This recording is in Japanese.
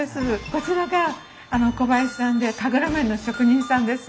こちらが小林さんで神楽面の職人さんです。